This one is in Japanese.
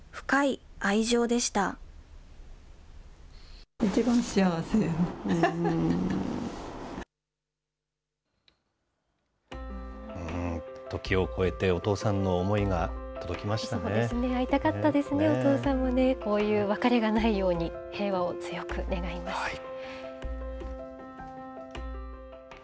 会いたかったですね、お父さんのね、こういう別れがないように、平和を強く願います。